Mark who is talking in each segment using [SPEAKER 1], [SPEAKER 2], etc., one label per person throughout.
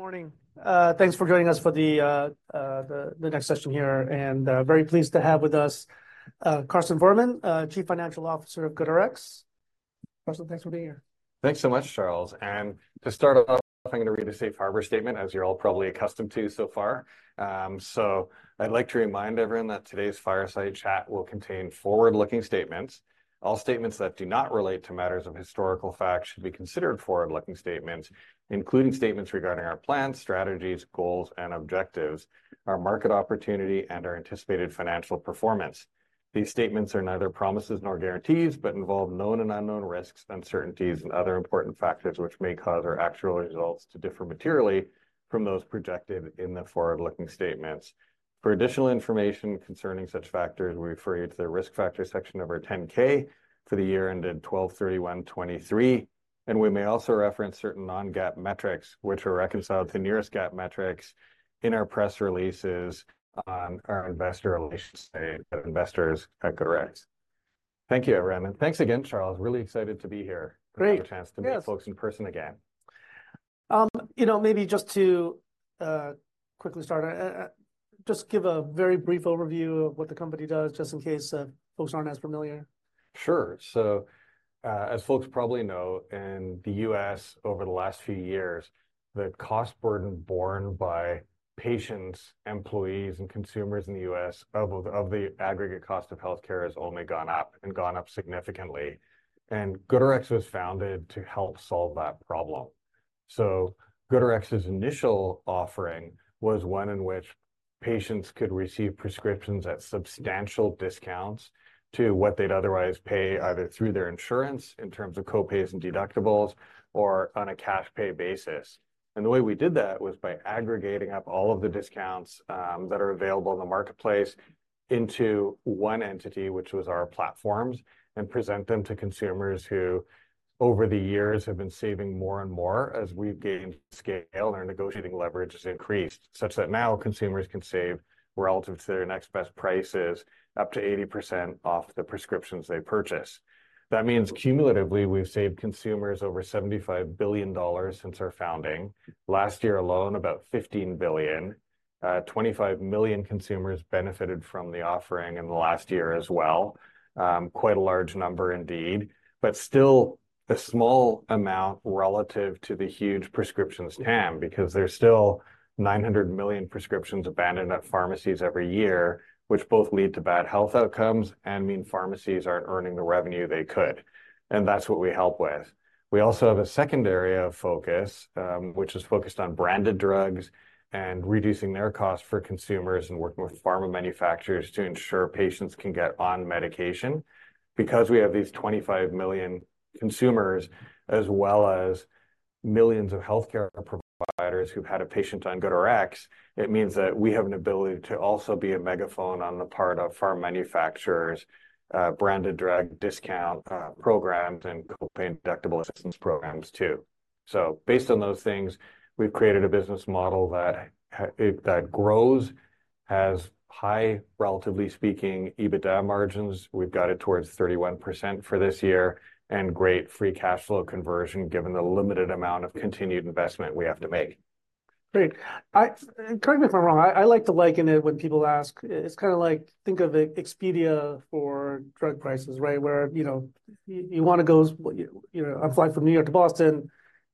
[SPEAKER 1] Good morning. Thanks for joining us for the next session here, and very pleased to have with us, Karsten Voermann, Chief Financial Officer of GoodRx. Karsten, thanks for being here.
[SPEAKER 2] Thanks so much, Charles. And to start off, I'm going to read a safe harbor statement, as you're all probably accustomed to so far. So I'd like to remind everyone that today's fireside chat will contain forward-looking statements. All statements that do not relate to matters of historical fact should be considered forward-looking statements, including statements regarding our plans, strategies, goals, and objectives, our market opportunity, and our anticipated financial performance. These statements are neither promises nor guarantees but involve known and unknown risks, uncertainties, and other important factors which may cause our actual results to differ materially from those projected in the forward-looking statements. For additional information concerning such factors, we refer you to the risk factor section of our 10-K for the year ended 12/31/2023, and we may also reference certain non-GAAP metrics which are reconciled to nearest GAAP metrics in our press releases on our investor relations site at investors.goodrx.com. Thank you, everyone, and thanks again, Charles. Really excited to be here.
[SPEAKER 1] Great.
[SPEAKER 2] Having the chance to meet folks in person again.
[SPEAKER 1] You know, maybe just to quickly start, just give a very brief overview of what the company does, just in case folks aren't as familiar.
[SPEAKER 2] Sure. So, as folks probably know, in the U.S. over the last few years, the cost burden borne by patients, employees, and consumers in the U.S. of the aggregate cost of healthcare has only gone up and gone up significantly. And GoodRx was founded to help solve that problem. So GoodRx's initial offering was one in which patients could receive prescriptions at substantial discounts to what they'd otherwise pay either through their insurance in terms of copays and deductibles, or on a cash pay basis. The way we did that was by aggregating up all of the discounts, that are available in the marketplace into one entity, which was our platforms, and present them to consumers who, over the years, have been saving more and more as we've gained scale and our negotiating leverage has increased, such that now consumers can save, relative to their next best prices, up to 80% off the prescriptions they purchase. That means cumulatively we've saved consumers over $75 billion since our founding. Last year alone, about $15 billion. 25 million consumers benefited from the offering in the last year as well. Quite a large number, indeed. But still, a small amount relative to the huge prescriptions TAM, because there's still 900 million prescriptions abandoned at pharmacies every year, which both lead to bad health outcomes and mean pharmacies aren't earning the revenue they could. That's what we help with. We also have a second area of focus, which is focused on branded drugs and reducing their cost for consumers and working with pharma manufacturers to ensure patients can get on medication. Because we have these 25 million consumers, as well as millions of healthcare providers who've had a patient on GoodRx, it means that we have an ability to also be a megaphone on the part of pharma manufacturers, branded drug discount programs, and copay and deductible assistance programs, too. Based on those things, we've created a business model that grows, has high, relatively speaking, EBITDA margins. We've got it towards 31% for this year, and great free cash flow conversion given the limited amount of continued investment we have to make.
[SPEAKER 1] Great. Correct me if I'm wrong. I like to liken it when people ask. It's kind of like think of Expedia for drug prices, right, where, you know, you want to go you know, I'm flying from New York to Boston,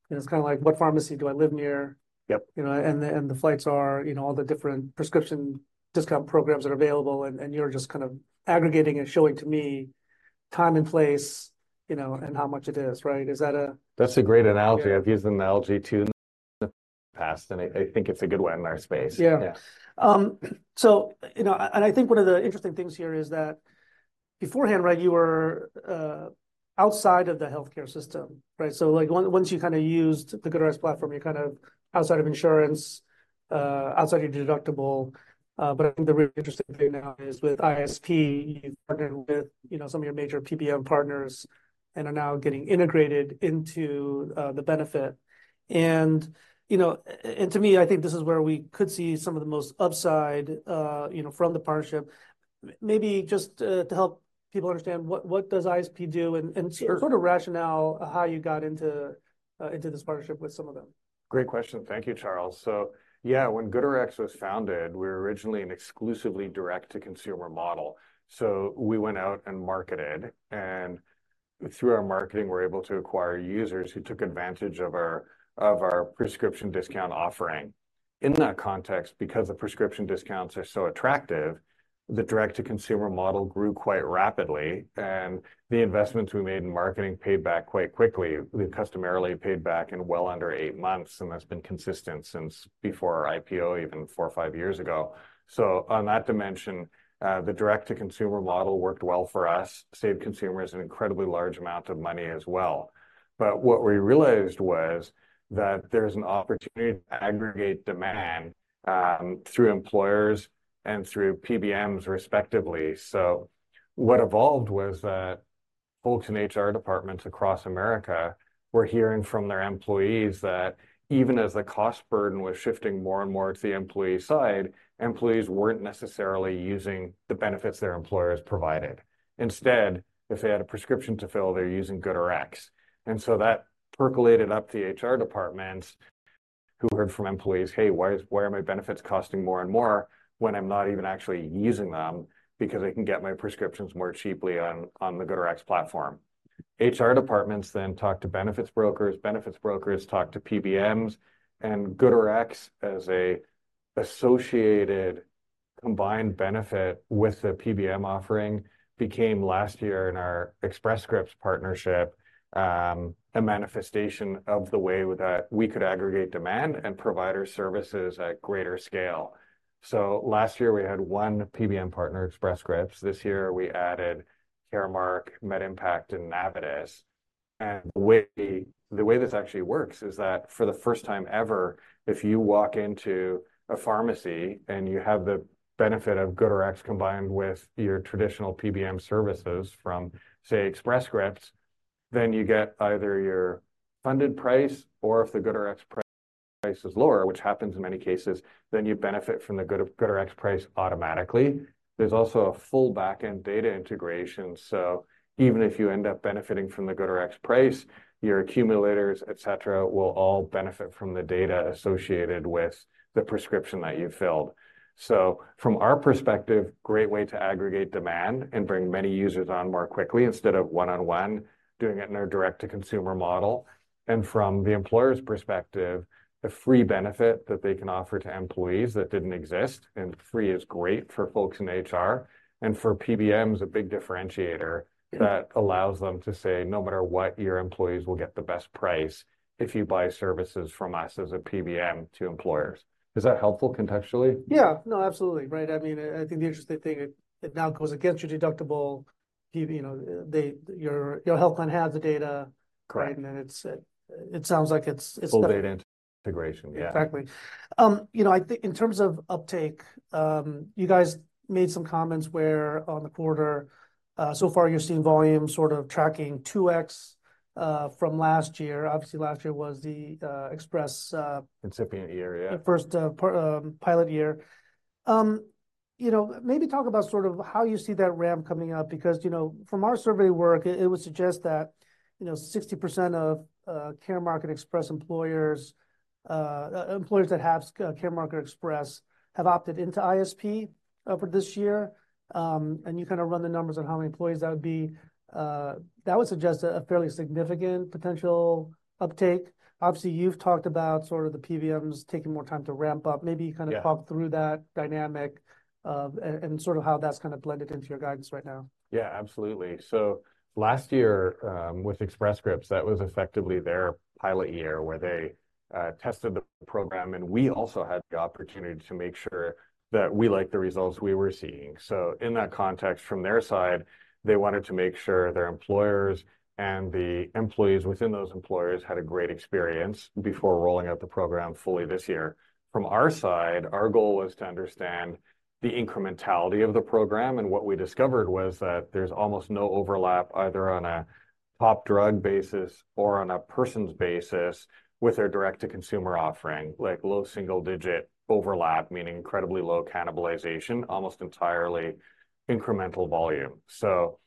[SPEAKER 1] and it's kind of like, what pharmacy do I live near?
[SPEAKER 2] Yep.
[SPEAKER 1] You know, and the flights are, you know, all the different prescription discount programs that are available, and you're just kind of aggregating and showing to me time and place, you know, and how much it is, right? Is that a...
[SPEAKER 2] That's a great analogy. I've used an analogy too in the past, and I think it's a good one in our space.
[SPEAKER 1] Yeah. Yeah. So, you know, and I think one of the interesting things here is that beforehand, right, you were outside of the healthcare system, right? So, like, once you kind of used the GoodRx platform, you're kind of outside of insurance, outside of your deductible. But I think the really interesting thing now is with ISP, you've partnered with, you know, some of your major PBM partners and are now getting integrated into the benefit. And, you know, and to me, I think this is where we could see some of the most upside, you know, from the partnership. Maybe just to help people understand what does ISP do and and sort of rationale how you got into into this partnership with some of them.
[SPEAKER 2] Great question. Thank you, Charles. So, yeah, when GoodRx was founded, we were originally an exclusively direct-to-consumer model. So we went out and marketed, and through our marketing, we're able to acquire users who took advantage of our prescription discount offering. In that context, because the prescription discounts are so attractive, the direct-to-consumer model grew quite rapidly, and the investments we made in marketing paid back quite quickly. We've customarily paid back in well under eight months, and that's been consistent since before our IPO, even four or five years ago. So on that dimension, the direct-to-consumer model worked well for us, saved consumers an incredibly large amount of money as well. But what we realized was that there's an opportunity to aggregate demand, through employers and through PBMs, respectively. So what evolved was that folks in HR departments across America were hearing from their employees that even as the cost burden was shifting more and more to the employee side, employees weren't necessarily using the benefits their employers provided. Instead, if they had a prescription to fill, they were using GoodRx. And so that percolated up to HR departments who heard from employees, "Hey, why is why are my benefits costing more and more when I'm not even actually using them because I can get my prescriptions more cheaply on the GoodRx platform?" HR departments then talked to benefits brokers, benefits brokers talked to PBMs, and GoodRx, as an associated combined benefit with the PBM offering, became last year in our Express Scripts partnership, a manifestation of the way that we could aggregate demand and provider services at greater scale. So last year we had one PBM partner, Express Scripts. This year we added Caremark, MedImpact, and Navitus. The way this actually works is that for the first time ever, if you walk into a pharmacy and you have the benefit of GoodRx combined with your traditional PBM services from, say, Express Scripts, then you get either your funded price or if the GoodRx price is lower, which happens in many cases, then you benefit from the GoodRx price automatically. There's also a full backend data integration, so even if you end up benefiting from the GoodRx price, your accumulators, etc., will all benefit from the data associated with the prescription that you filled. From our perspective, great way to aggregate demand and bring many users on more quickly instead of one-on-one doing it in our direct-to-consumer model. From the employer's perspective, a free benefit that they can offer to employees that didn't exist, and free is great for folks in HR, and for PBMs a big differentiator that allows them to say, no matter what, your employees will get the best price if you buy services from us as a PBM to employers. Is that helpful contextually?
[SPEAKER 1] Yeah, no, absolutely, right? I mean, I think the interesting thing, it now goes against your deductible. You know, the, your health plan has the data.
[SPEAKER 2] Correct.
[SPEAKER 1] Right, and then it sounds like it's.
[SPEAKER 2] Full data integration, yeah.
[SPEAKER 1] Exactly. You know, I think in terms of uptake, you guys made some comments where on the quarter, so far you're seeing volume sort of tracking 2x from last year. Obviously, last year was the Express,
[SPEAKER 2] Fiscal year, yeah.
[SPEAKER 1] First part, pilot year. You know, maybe talk about sort of how you see that ramp coming up because, you know, from our survey work, it would suggest that, you know, 60% of Caremark and Express employers, employers that have Caremark or Express, have opted into ISP for this year. You kind of run the numbers on how many employees that would be. That would suggest a fairly significant potential uptake. Obviously, you've talked about sort of the PBMs taking more time to ramp up. Maybe you kind of talk through that dynamic of and sort of how that's kind of blended into your guidance right now. Yeah, absolutely. So last year, with Express Scripts, that was effectively their pilot year where they tested the program, and we also had the opportunity to make sure that we liked the results we were seeing. So in that context, from their side, they wanted to make sure their employers and the employees within those employers had a great experience before rolling out the program fully this year. From our side, our goal was to understand the incrementality of the program, and what we discovered was that there's almost no overlap either on a top drug basis or on a person's basis with their direct-to-consumer offering, like low single-digit overlap, meaning incredibly low cannibalization, almost entirely incremental volume. So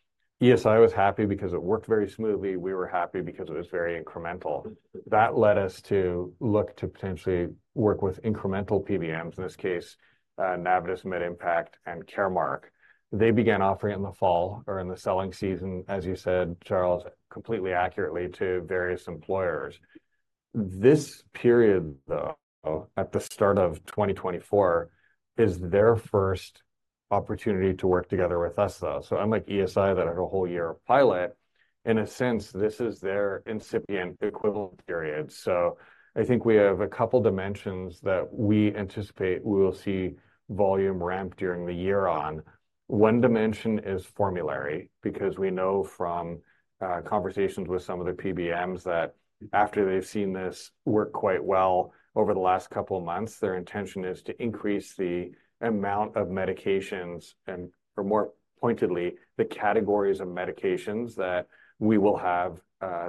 [SPEAKER 1] ESI was happy because it worked very smoothly. We were happy because it was very incremental. That led us to look to potentially work with incremental PBMs, in this case, Navitus, MedImpact, and Caremark. They began offering it in the fall or in the selling season, as you said, Charles, completely accurately to various employers. This period, though, at the start of 2024, is their first opportunity to work together with us, though. So unlike ESI that had a whole year of pilot, in a sense, this is their incipient equivalent period. So I think we have a couple dimensions that we anticipate we will see volume ramp during the year on. One dimension is formulary because we know from conversations with some of the PBMs that after they've seen this work quite well over the last couple months, their intention is to increase the amount of medications and, or more pointedly, the categories of medications that we will have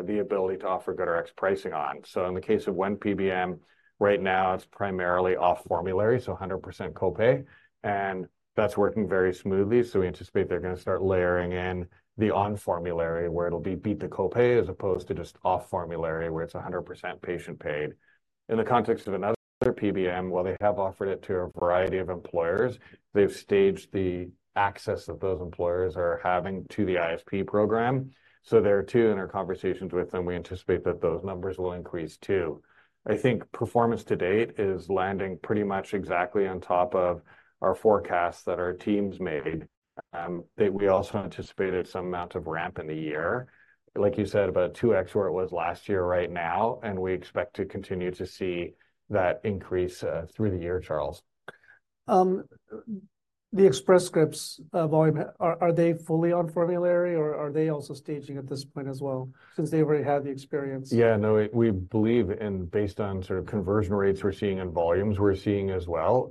[SPEAKER 1] the ability to offer GoodRx pricing on. So in the case of one PBM, right now it's primarily off-formulary, so 100% copay. And that's working very smoothly, so we anticipate they're going to start layering in the on-formulary where it'll be beat the copay as opposed to just off-formulary where it's 100% patient paid. In the context of another PBM, while they have offered it to a variety of employers, they've staged the access that those employers are having to the ISP program. So there too, in our conversations with them, we anticipate that those numbers will increase too. I think performance to date is landing pretty much exactly on top of our forecasts that our teams made that we also anticipated some amount of ramp in the year. Like you said, about 2x where it was last year right now, and we expect to continue to see that increase, through the year, Charles. Express Scripts volume, are they fully on-formulary or are they also staging at this point as well, since they already had the experience?
[SPEAKER 2] Yeah, no, we believe, based on sort of conversion rates we're seeing and volumes we're seeing as well.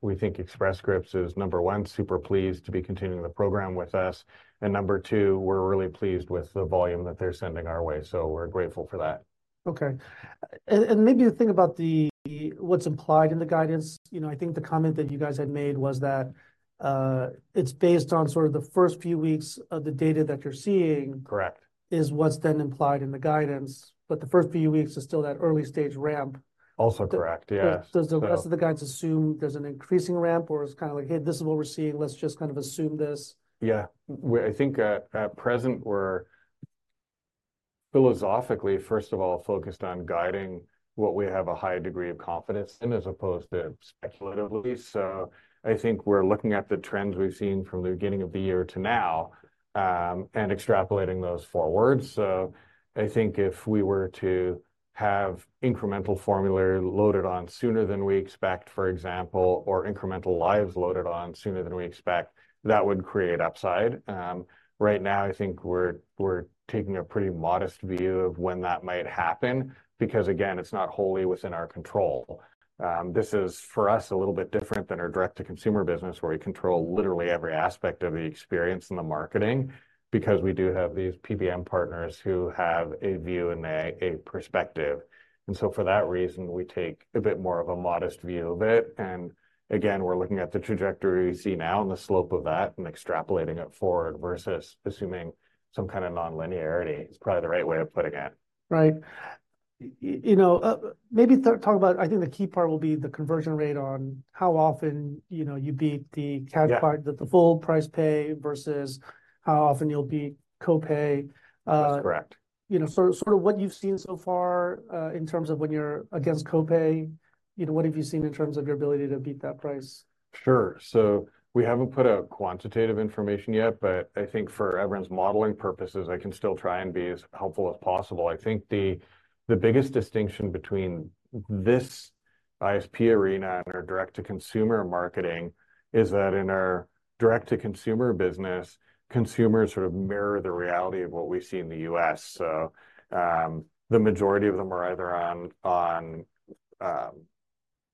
[SPEAKER 2] We think Express Scripts is number one, super pleased to be continuing the program with us. And number two, we're really pleased with the volume that they're sending our way, so we're grateful for that.
[SPEAKER 1] Okay. And maybe you think about what's implied in the guidance. You know, I think the comment that you guys had made was that, it's based on sort of the first few weeks of the data that you're seeing.
[SPEAKER 2] Correct.
[SPEAKER 1] Is what's then implied in the guidance, but the first few weeks is still that early stage ramp.
[SPEAKER 2] Also correct, yes.
[SPEAKER 1] Does the rest of the guidance assume there's an increasing ramp or it's kind of like, "Hey, this is what we're seeing, let's just kind of assume this"?
[SPEAKER 2] Yeah. I think at present we're philosophically, first of all, focused on guiding what we have a high degree of confidence in as opposed to speculatively. So I think we're looking at the trends we've seen from the beginning of the year to now, and extrapolating those forward. So I think if we were to have incremental formulary loaded on sooner than we expect, for example, or incremental lives loaded on sooner than we expect, that would create upside. Right now I think we're taking a pretty modest view of when that might happen because, again, it's not wholly within our control. This is for us a little bit different than our direct-to-consumer business where we control literally every aspect of the experience and the marketing because we do have these PBM partners who have a view and a perspective. And so for that reason, we take a bit more of a modest view of it. And again, we're looking at the trajectory we see now and the slope of that and extrapolating it forward versus assuming some kind of nonlinearity is probably the right way of putting it.
[SPEAKER 1] Right. You know, maybe talk about I think the key part will be the conversion rate on how often, you know, you beat the cash part, the full price pay versus how often you'll beat copay.
[SPEAKER 2] That's correct.
[SPEAKER 1] You know, sort of what you've seen so far, in terms of when you're against copay, you know, what have you seen in terms of your ability to beat that price?
[SPEAKER 2] Sure. So we haven't put out quantitative information yet, but I think for everyone's modeling purposes, I can still try and be as helpful as possible. I think the biggest distinction between this ISP arena and our direct-to-consumer marketing is that in our direct-to-consumer business, consumers sort of mirror the reality of what we see in the U.S. So, the majority of them are either on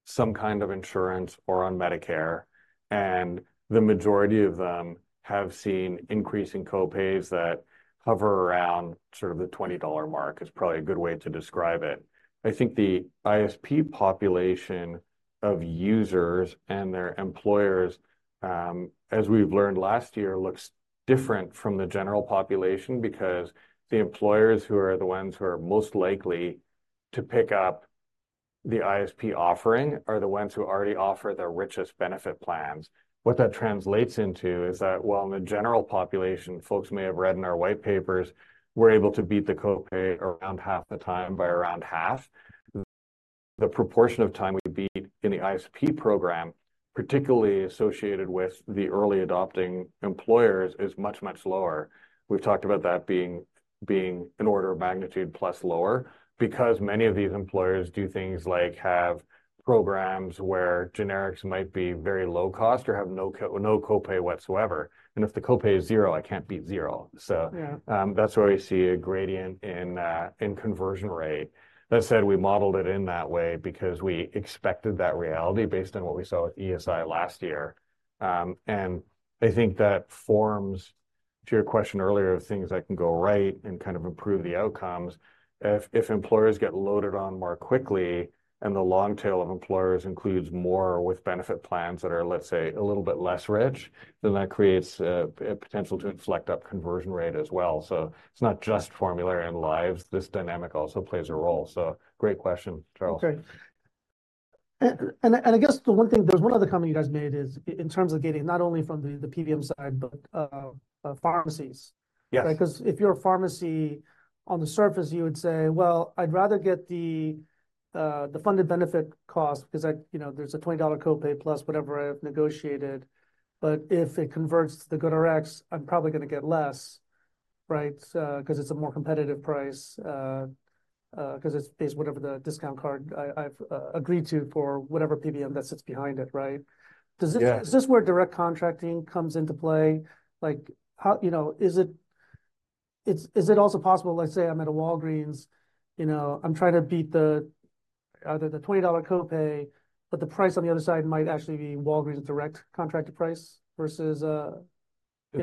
[SPEAKER 2] some kind of insurance or on Medicare. And the majority of them have seen increasing copays that hover around sort of the $20 mark is probably a good way to describe it. I think the ISP population of users and their employers, as we've learned last year, looks different from the general population because the employers who are the ones who are most likely to pick up the ISP offering are the ones who already offer their richest benefit plans. What that translates into is that while in the general population, folks may have read in our white papers, we're able to beat the copay around half the time by around half. The proportion of time we beat in the ISP program, particularly associated with the early adopting employers, is much, much lower. We've talked about that being an order of magnitude plus lower because many of these employers do things like have programs where generics might be very low cost or have no copay whatsoever. And if the copay is zero, I can't beat zero. So, that's why we see a gradient in conversion rate. That said, we modeled it in that way because we expected that reality based on what we saw with ESI last year. I think that refers to your question earlier of things that can go right and kind of improve the outcomes. If employers get loaded on more quickly and the long tail of employers includes more with benefit plans that are, let's say, a little bit less rich, then that creates a potential to inflect up conversion rate as well. So it's not just formulary and lives. This dynamic also plays a role. So great question, Charles.
[SPEAKER 1] Okay. And I guess the one thing there's one other comment you guys made is in terms of getting not only from the PBM side, but pharmacies.
[SPEAKER 2] Yes.
[SPEAKER 1] Right? Because if you're a pharmacy, on the surface you would say, well, I'd rather get the funded benefit cost because I, you know, there's a $20 copay plus whatever I've negotiated. But if it converts to the GoodRx, I'm probably going to get less. Right? Because it's a more competitive price. Because it's based whatever the discount card I've agreed to for whatever PBM that sits behind it, right? Is this where direct contracting comes into play? Like how, you know, is it also possible, let's say I'm at a Walgreens, you know, I'm trying to beat the $20 copay, but the price on the other side might actually be Walgreens direct contracted price versus, in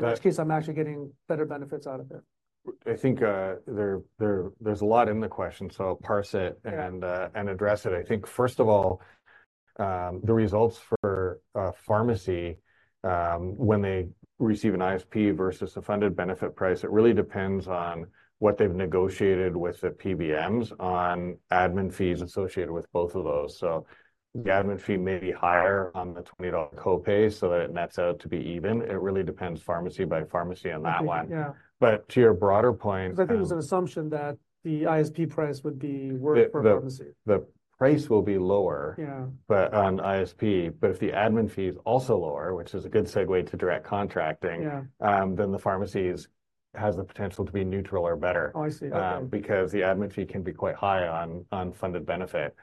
[SPEAKER 1] which case I'm actually getting better benefits out of it.
[SPEAKER 2] I think, there's a lot in the question, so I'll parse it and address it. I think first of all, the results for a pharmacy, when they receive an ISP versus a funded benefit price, it really depends on what they've negotiated with the PBMs on admin fees associated with both of those. So the admin fee may be higher on the $20 copay so that it nets out to be even. It really depends pharmacy by pharmacy on that one. Yeah, but to your broader point.
[SPEAKER 1] Because I think it was an assumption that the ISP price would be worse for pharmacy.
[SPEAKER 2] The price will be lower. Yeah, but on ISP, but if the admin fee is also lower, which is a good segue to direct contracting, then the pharmacies has the potential to be neutral or better. Oh, I see. Because the admin fee can be quite high on funded benefit.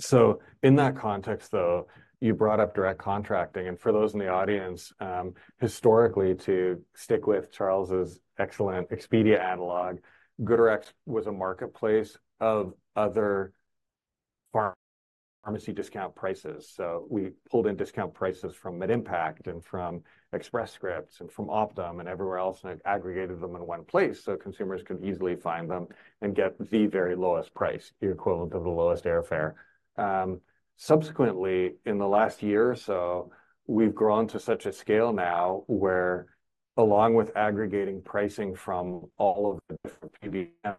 [SPEAKER 2] So in that context, though, you brought up direct contracting, and for those in the audience, historically to stick with Charles's excellent Expedia analogy, GoodRx was a marketplace of other pharmacy discount prices. So we pulled in discount prices from MedImpact and from Express Scripts and from Optum and everywhere else and aggregated them in one place so consumers could easily find them and get the very lowest price, the equivalent of the lowest airfare. Subsequently, in the last year or so, we've grown to such a scale now where along with aggregating pricing from all of the different PBMs,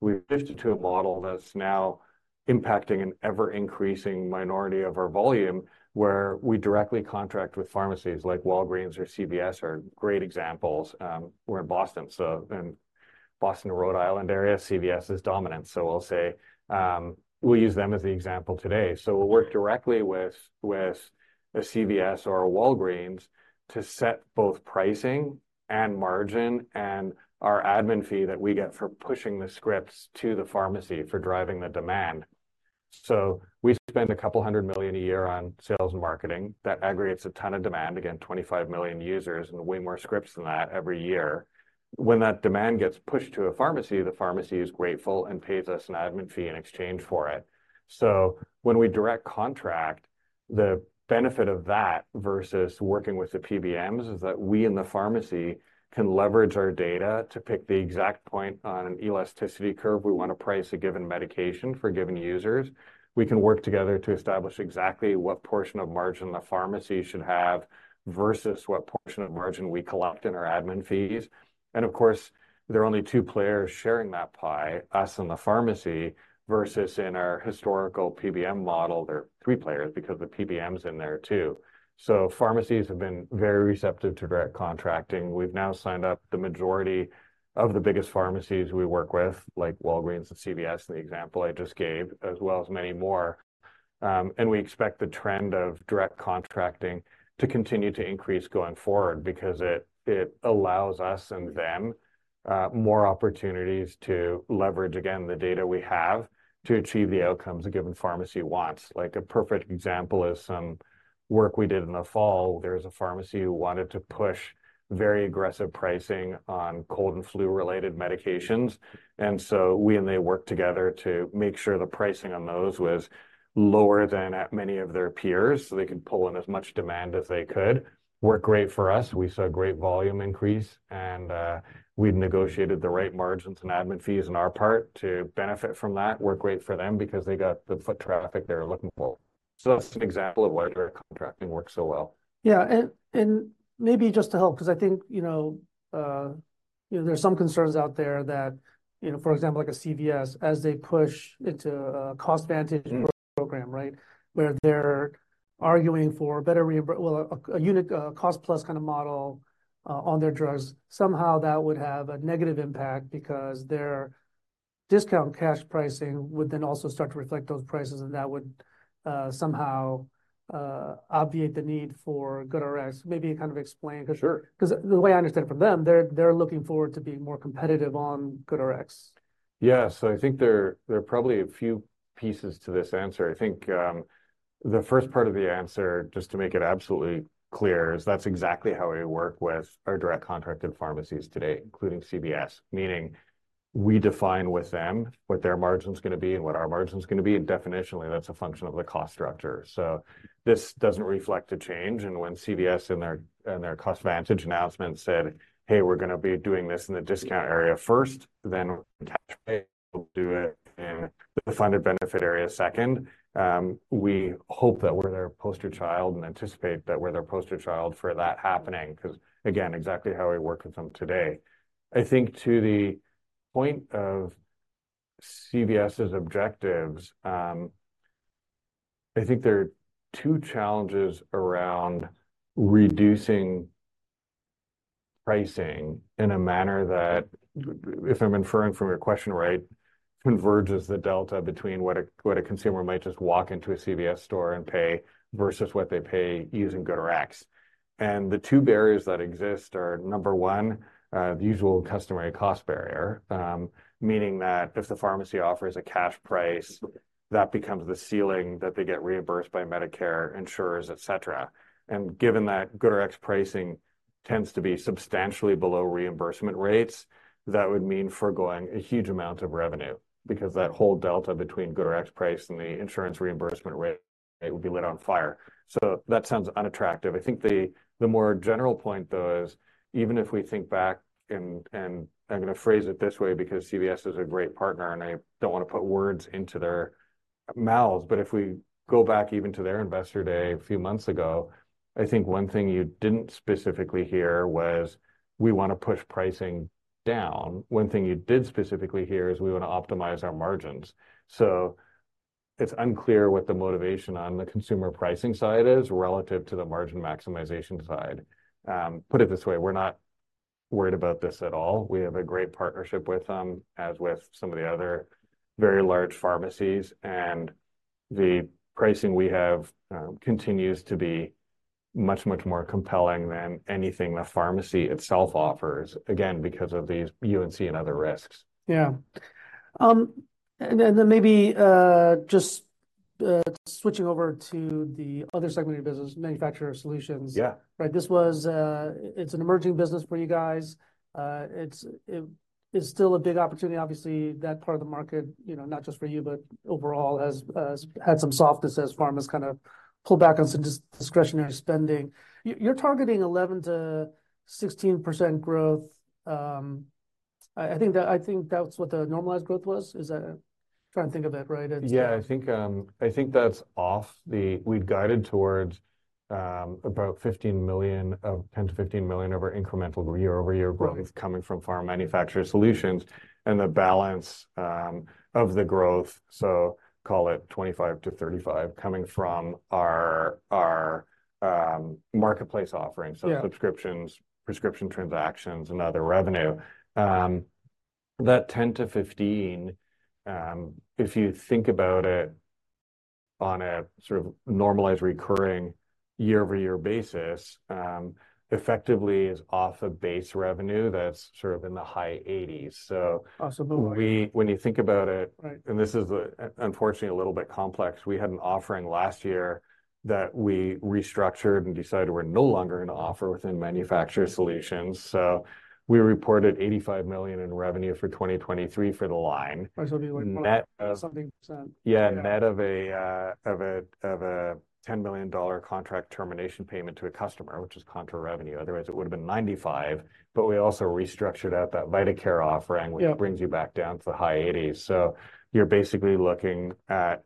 [SPEAKER 2] we've shifted to a model that's now impacting an ever-increasing minority of our volume where we directly contract with pharmacies like Walgreens or CVS, which are great examples. We're in Boston, so in Boston and Rhode Island area, CVS is dominant. So I'll say, we'll use them as the example today. So we'll work directly with a CVS or a Walgreens to set both pricing and margin and our admin fee that we get for pushing the scripts to the pharmacy for driving the demand. So we spend $200 million a year on sales and marketing that aggregates a ton of demand, again, 25 million users and way more scripts than that every year. When that demand gets pushed to a pharmacy, the pharmacy is grateful and pays us an admin fee in exchange for it. When we direct contract, the benefit of that versus working with the PBMs is that we in the pharmacy can leverage our data to pick the exact point on an elasticity curve we want to price a given medication for given users. We can work together to establish exactly what portion of margin the pharmacy should have versus what portion of margin we collect in our admin fees. Of course, there are only two players sharing that pie, us and the pharmacy versus in our historical PBM model, there are three players because the PBM's in there too. Pharmacies have been very receptive to direct contracting. We've now signed up the majority of the biggest pharmacies we work with, like Walgreens and CVS in the example I just gave, as well as many more. And we expect the trend of direct contracting to continue to increase going forward because it allows us and them more opportunities to leverage, again, the data we have to achieve the outcomes a given pharmacy wants. Like a perfect example is some work we did in the fall. There was a pharmacy who wanted to push very aggressive pricing on cold and flu-related medications. And so we and they worked together to make sure the pricing on those was lower than at many of their peers so they could pull in as much demand as they could. Worked great for us. We saw a great volume increase and, we'd negotiated the right margins and admin fees on our part to benefit from that. Worked great for them because they got the foot traffic they were looking for. So that's an example of why direct contracting works so well.
[SPEAKER 1] Yeah, and maybe just to help because I think, you know, there's some concerns out there that, you know, for example, like a CVS, as they push into a cost advantage program, right, where they're arguing for better, well, a unit cost plus kind of model, on their drugs, somehow that would have a negative impact because their discount cash pricing would then also start to reflect those prices and that would, somehow, obviate the need for GoodRx. Maybe kind of explain because the way I understand it from them, they're looking forward to being more competitive on GoodRx.
[SPEAKER 2] Yeah, so I think there are probably a few pieces to this answer. I think, the first part of the answer, just to make it absolutely clear, is that's exactly how we work with our direct contracted pharmacies today, including CVS, meaning we define with them what their margin's going to be and what our margin's going to be, and definitionally that's a function of the cost structure. So this doesn't reflect a change. And when CVS in their CostVantage announcement said, "Hey, we're going to be doing this in the discount area first, then we'll do cash pay. We'll do it in the funded benefit area second," we hope that we're their poster child and anticipate that we're their poster child for that happening because, again, exactly how we work with them today. I think to the point of CVS's objectives, I think there are two challenges around reducing pricing in a manner that, if I'm inferring from your question, right, converges the delta between what a consumer might just walk into a CVS store and pay versus what they pay using GoodRx. The two barriers that exist are, number one, the usual and customary cost barrier, meaning that if the pharmacy offers a cash price, that becomes the ceiling that they get reimbursed by Medicare, insurers, etc. Given that GoodRx pricing tends to be substantially below reimbursement rates, that would mean forgoing a huge amount of revenue because that whole delta between GoodRx price and the insurance reimbursement rate would be lit on fire. That sounds unattractive. I think the more general point, though, is even if we think back and I'm going to phrase it this way because CVS is a great partner and I don't want to put words into their mouths, but if we go back even to their investor day a few months ago, I think one thing you didn't specifically hear was, "We want to push pricing down." One thing you did specifically hear is, "We want to optimize our margins." So it's unclear what the motivation on the consumer pricing side is relative to the margin maximization side. Put it this way, we're not worried about this at all. We have a great partnership with them as with some of the other very large pharmacies. The pricing we have continues to be much, much more compelling than anything the pharmacy itself offers, again, because of these U&C and other risks.
[SPEAKER 1] Yeah. And then maybe, just switching over to the other segment of business, Manufacturer Solutions. Yeah, right. This was, it's an emerging business for you guys. It is still a big opportunity, obviously, that part of the market, you know, not just for you, but overall has had some softness as pharma's kind of pulled back on some discretionary spending. You're targeting 11% to 16% growth. I think that's what the normalized growth was. Is that trying to think of it, right?
[SPEAKER 2] Yeah, I think, I think that's off the we'd guided towards, about $15 million of $10 to $15 million of our incremental year-over-year growth coming from Manufacturer Solutions and the balance, of the growth, so call it $25 to $35, coming from our our, marketplace offering, so subscriptions, prescription transactions, and other revenue. That $10-$15, if you think about it on a sort of normalized recurring year-over-year basis, effectively is off of base revenue that's sort of in the high $80s. So when you think about it, and this is unfortunately a little bit complex, we had an offering last year that we restructured and decided we're no longer going to offer within Manufacturer Solutions. So we reported $85 million in revenue for 2023 for the line.
[SPEAKER 1] Right, so it'd be like something percent.
[SPEAKER 2] Yeah, net of a $10 million contract termination payment to a customer, which is contra revenue. Otherwise, it would have been 95. But we also restructured out that VitaCare offering, which brings you back down to the high 80s. So you're basically looking at,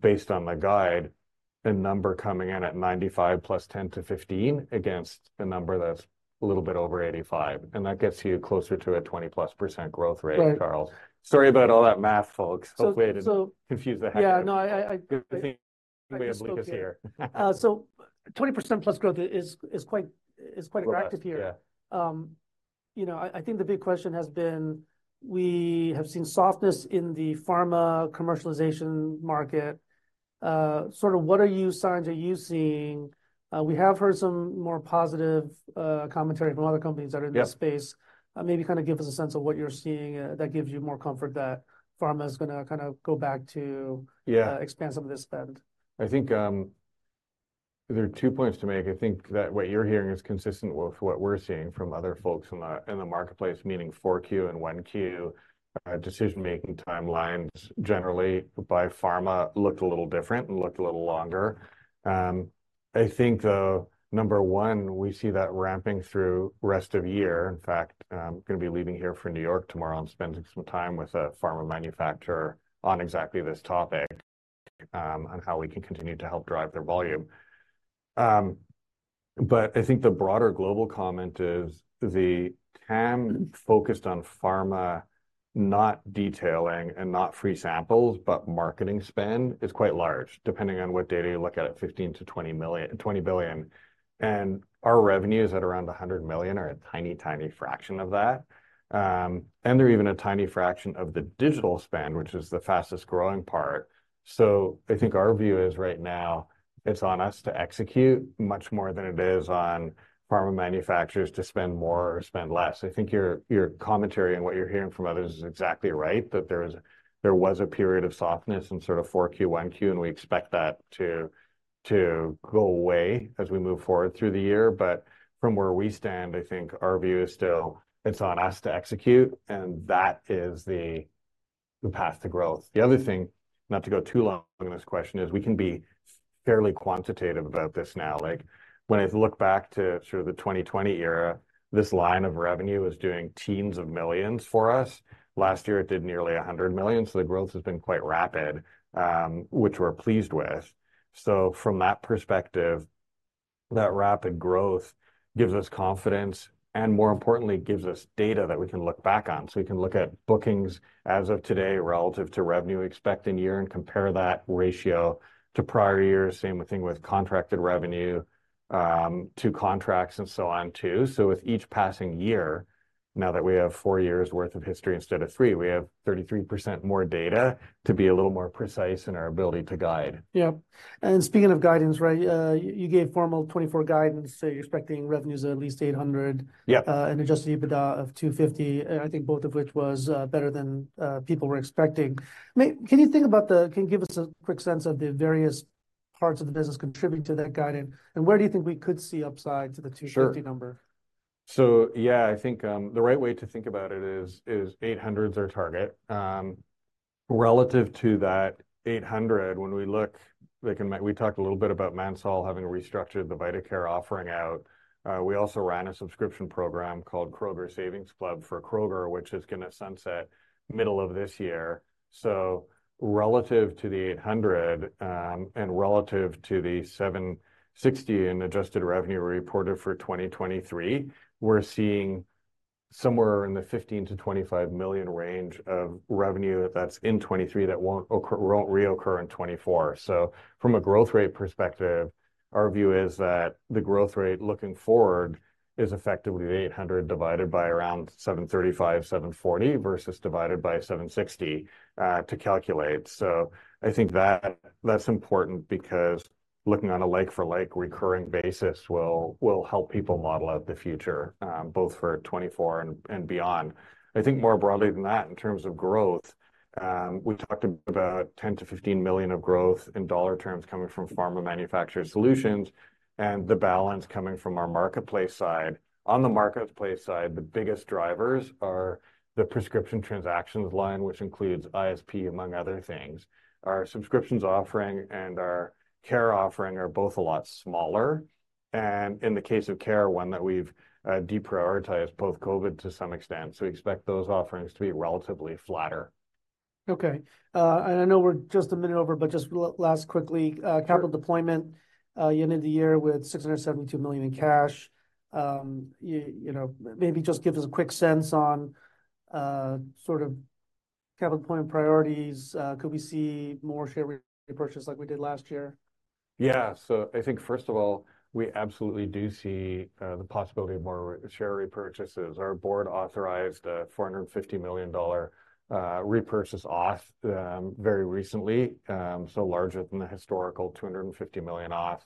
[SPEAKER 2] based on the guide, a number coming in at 95 plus 10-15 against a number that's a little bit over 85. And that gets you closer to a 20%+ growth rate, Charles. Sorry about all that math, folks. Hopefully I didn't confuse the heck out of it.
[SPEAKER 1] Yeah, no, I think we have leverage here. So 20%+ growth is quite attractive here. You know, I think the big question has been we have seen softness in the pharma commercialization market. Sort of, what signs are you seeing? We have heard some more positive commentary from other companies that are in this space. Maybe kind of give us a sense of what you're seeing that gives you more comfort that pharma is going to kind of go back to expand some of this spend.
[SPEAKER 2] Yeah, I think there are two points to make. I think that what you're hearing is consistent with what we're seeing from other folks in the marketplace, meaning 4Q and 1Q decision-making timelines generally by pharma looked a little different and looked a little longer. I think, though, number one, we see that ramping through rest of year. In fact, going to be leaving here for New York tomorrow and spending some time with a pharma manufacturer on exactly this topic, on how we can continue to help drive their volume. But I think the broader global comment is the TAM focused on pharma not detailing and not free samples, but marketing spend is quite large, depending on what data you look at, $15 billion-$20 billion. And our revenues at around $100 million are a tiny, tiny fraction of that. They're even a tiny fraction of the digital spend, which is the fastest growing part. So I think our view is right now it's on us to execute much more than it is on pharma manufacturers to spend more or spend less. I think your commentary and what you're hearing from others is exactly right, that there was a period of softness in sort of 4Q, 1Q, and we expect that to go away as we move forward through the year. But from where we stand, I think our view is still it's on us to execute, and that is the path to growth. The other thing, not to go too long in this question, is we can be fairly quantitative about this now. Like when I look back to sort of the 2020 era, this line of revenue was doing $17 millions for us. Last year it did nearly $100 million, so the growth has been quite rapid, which we're pleased with. So from that perspective, that rapid growth gives us confidence and, more importantly, gives us data that we can look back on. So we can look at bookings as of today relative to revenue expected year and compare that ratio to prior years. Same thing with contracted revenue, to contracts and so on too. So with each passing year, now that we have 4 years' worth of history instead of 3, we have 33% more data to be a little more precise in our ability to guide.
[SPEAKER 1] Yep. And speaking of guidance, right, you gave formal 2024 guidance. So you're expecting revenues of at least $800 million, an Adjusted EBITDA of $250 million, I think both of which was better than people were expecting. Can you give us a quick sense of the various parts of the business contributing to that guidance, and where do you think we could see upside to the $250 million number?
[SPEAKER 2] Sure. So yeah, I think the right way to think about it is 800s our target. Relative to that 800, when we look, like we talked a little bit about Mansell having restructured the VitaCare offering out, we also ran a subscription program called Kroger Rx Savings Club for Kroger, which is going to sunset middle of this year. So relative to the 800, and relative to the $760 million in adjusted revenue we reported for 2023, we're seeing somewhere in the $15 million-$25 million range of revenue that's in 2023 that won't reoccur in 2024. So from a growth rate perspective, our view is that the growth rate looking forward is effectively the 800 divided by around 735, 740 versus divided by 760, to calculate. So I think that that's important because looking on a like-for-like recurring basis will help people model out the future, both for 2024 and beyond. I think more broadly than that, in terms of growth, we talked about $10 million to $15 million of growth in dollar terms coming from pharma manufacturer solutions. The balance coming from our marketplace side. On the marketplace side, the biggest drivers are the prescription transactions line, which includes ISP, among other things. Our subscriptions offering and our care offering are both a lot smaller. In the case of Care, one that we've deprioritized post-COVID to some extent. We expect those offerings to be relatively flatter.
[SPEAKER 1] Okay. I know we're just a minute over, but just last quickly, capital deployment, at the end of the year with $672 million in cash. You know, maybe just give us a quick sense on, sort of capital deployment priorities. Could we see more share repurchase like we did last year?
[SPEAKER 2] Yeah, so I think first of all, we absolutely do see the possibility of more share repurchases. Our board authorized a $450 million repurchase auth very recently, so larger than the historical $250 million auth.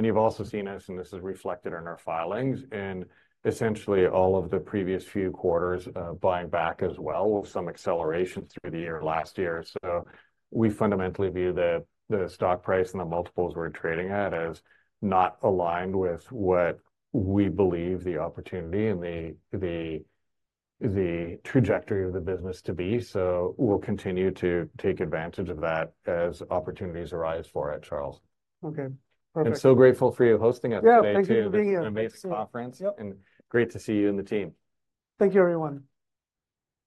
[SPEAKER 2] You've also seen us, and this is reflected in our filings, in essentially all of the previous few quarters, buying back as well with some acceleration through the year last year. So we fundamentally view the stock price and the multiples we're trading at as not aligned with what we believe the opportunity and the trajectory of the business to be. We'll continue to take advantage of that as opportunities arise for it, Charles.
[SPEAKER 1] Okay. Perfect.
[SPEAKER 2] So grateful for you hosting us today too. It's an amazing conference and great to see you and the team.
[SPEAKER 1] Thank you, everyone.